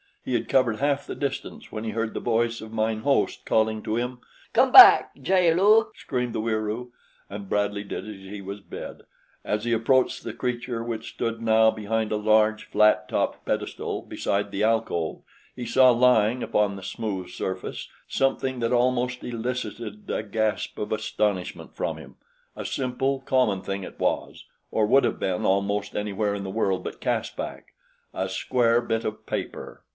He had covered half the distance when he heard the voice of mine host calling to him: "Come back, jaal lu," screamed the Wieroo; and Bradley did as he was bid. As he approached the creature which stood now behind a large, flat topped pedestal beside the alcove, he saw lying upon the smooth surface something that almost elicited a gasp of astonishment from him a simple, common thing it was, or would have been almost anywhere in the world but Caspak a square bit of paper!